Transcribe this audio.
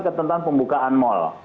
ketentuan pembukaan mal